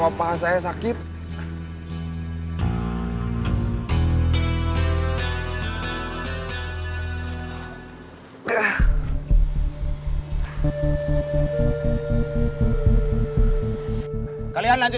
sampai ketemu besok lagi